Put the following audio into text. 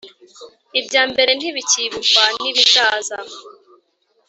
Ibya mbere ntibicyibukwa n ibizaza